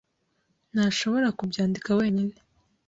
Ntashobora kubyandika wenyine.